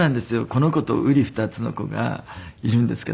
この子とうり二つの子がいるんですけど。